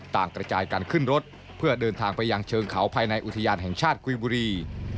กระจายกันขึ้นรถเพื่อเดินทางไปยังเชิงเขาภายในอุทยานแห่งชาติกุยบุรี